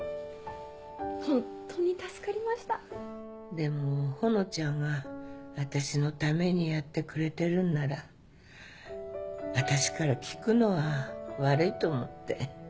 でもほのちゃんが私のためにやってくれてるんなら私から聞くのは悪いと思って。